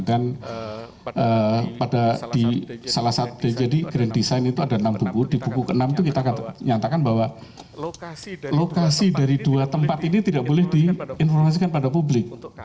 dan pada di salah satu jadi green design itu ada enam buku di buku ke enam itu kita akan nyatakan bahwa lokasi dari dua tempat ini tidak boleh diinformasikan pada publik